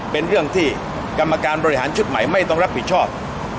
เป็นเรื่องที่กรรมการบริหารชุดใหม่ไม่ต้องรับผิดชอบ